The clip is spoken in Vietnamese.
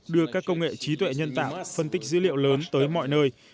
đưa các công nghệ trí tuệ nhân tạo phân tích dữ liệu lớn tới mọi nơi